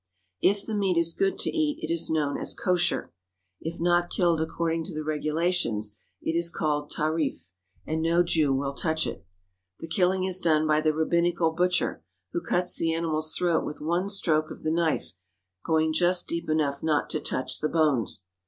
If the meat is good to eat it is known as kosher. If not killed according to the regulations, it is called tar if , 73 THE HOLY LAND AND SYRIA and no Jew will touch it. The killing is done by the rabbinical butcher, who cuts the animal's throat with one stroke of the knife, going just deep enough not to touch the bones.